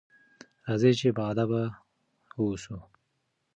راځئ چې باادبه واوسو.